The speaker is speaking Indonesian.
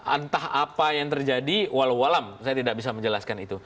entah apa yang terjadi walau walam saya tidak bisa menjelaskan itu